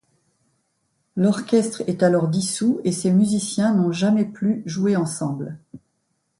L’orchestre est alors dissous et ses musiciens n’ont jamais plus joué ensemble.